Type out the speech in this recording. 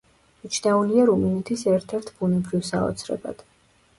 მიჩნეულია რუმინეთის ერთ-ერთ ბუნებრივ საოცრებად.